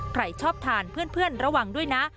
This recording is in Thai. ใครชอบทานเพื่อนระวังด้วยนะ